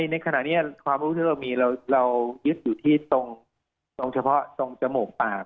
ในขณะนี้ความรู้สึกที่เรายึดอยู่ที่ตรงเฉพาะตรงจมูกปาก